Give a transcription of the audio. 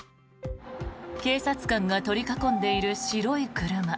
警察官が取り囲んでいる白い車。